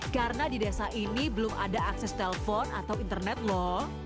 karena di desa ini belum ada akses telpon atau internet lho